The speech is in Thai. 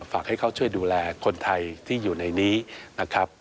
ฝากให้เขาช่วยดูแลคนไทยที่อยู่ในนี้นะครับ